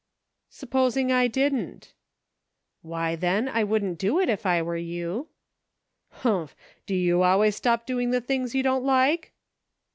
S'posing I didn't ?" "Why, then, I wouldn't do it if I were you." " Humph ! Do you always stop doing the things you don't like